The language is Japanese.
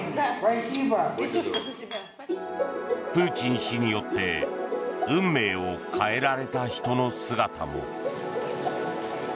プーチン氏によって運命を変えられた人の姿も。